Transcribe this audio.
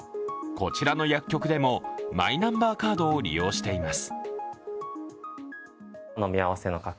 こちらの薬局でもマイナンバーカードを利用しています。